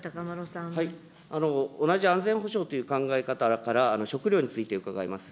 同じ安全保障という考え方から、食料について伺います。